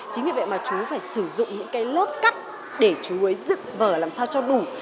chính vì vậy mà chú phải sử dụng những cái lớp cắt để chú ý dựng vở làm sao cho đủ